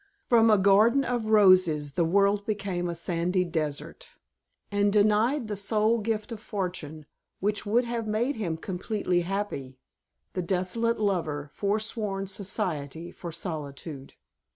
From a garden of roses, the world became a sandy desert, and denied the sole gift of fortune, which would have made him completely happy, the disconsolate lover foreswore society for solitude.